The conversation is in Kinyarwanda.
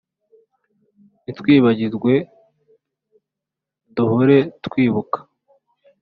Ntitwibagirwe duhore twibuka